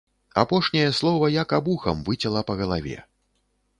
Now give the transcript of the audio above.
Апошняе слова, як абухам, выцяла па галаве.